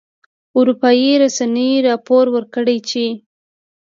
اروپایي رسنیو راپور ورکړی چې